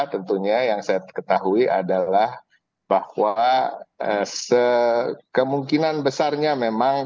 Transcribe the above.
tentunya yang saya ketahui adalah bahwa kemungkinan besarnya memang